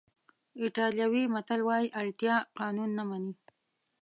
ایټالوي متل وایي اړتیا قانون نه مني.